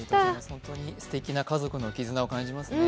本当にすてきな家族の絆を感じますね。